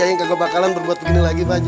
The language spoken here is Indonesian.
ayah gak kebakalan berbuat begini lagi pak ji